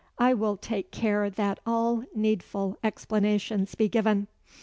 I will take care that all needful explanations be given."